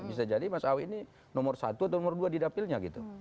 bisa jadi masawi ini nomor satu atau nomor dua didapilnya gitu